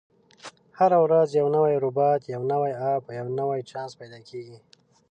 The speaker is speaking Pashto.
هره ورځ یو نوی روباټ، یو نوی اپ، او یو نوی چانس پیدا کېږي.